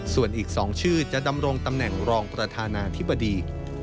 ส่วนอีก๒ชื่อจะดำรงตำแหน่งรองประธานาธิบดี